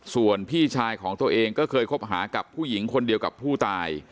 ส่วนพี่ชายของตัวเองก็เคยคบหากับผู้หญิงคนเดียวกับผู้ตาย